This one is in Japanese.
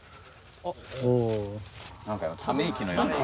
何か今ため息のような。